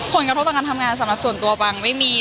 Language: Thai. ผลกระทบต่อการทำงานสำหรับส่วนตัวบังไม่มี